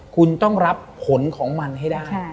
คุณต้องรับผลของมันให้ได้